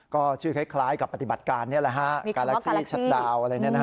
ก็ชื่อคล้ายกับปฏิบัติการนี้แบบการาคซี่ชัดดาว